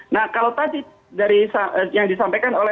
nah kalau tadi dari yang disampaikan oleh